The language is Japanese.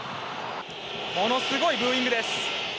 ものすごいブーイングです。